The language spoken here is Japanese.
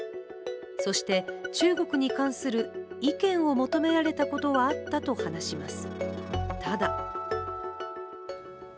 そして、中国に関する意見を求められたことはあったと話します。